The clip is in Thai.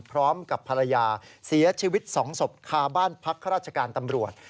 พร้อมกับภรรยาเสียชีวิต๒ศพคาบ้านพักข้าราชการตำรวจ